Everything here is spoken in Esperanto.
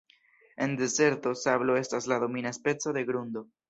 En dezerto, sablo estas la domina speco de grundo.